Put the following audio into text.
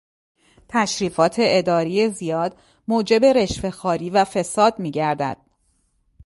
تشریفات اداری زیاد موجب رشوهخواری و فساد میگردد.